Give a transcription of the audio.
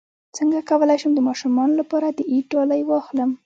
څنګه کولی شم د ماشومانو لپاره د عید ډالۍ واخلم